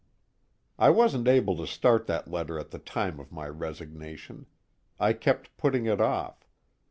I wasn't able to start that letter at the time of my resignation. I kept putting it off.